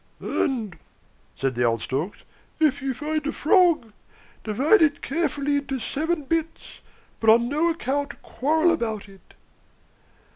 "And," said the old Storks, "if you find a frog, divide it carefully into seven bits, but on no account quarrel about it."